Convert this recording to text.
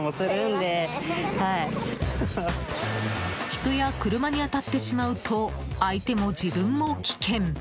人や車に当たってしまうと相手も自分も危険。